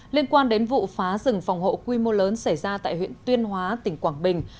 liên quan đến vụ phá rừng phòng hộ quy mô lớn xảy ra tại huyện tuyên hóa tỉnh quảng bình